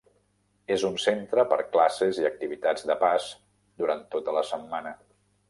És un centre per classes i activitats de pas durant tota la setmana.